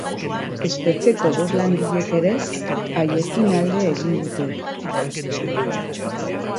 Espetxeko bost langilek ere haiekin alde egin dute.